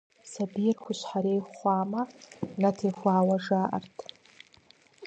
Сабийр хущхьэрей хъуамэ, нэ техуауэ жаӀэрт.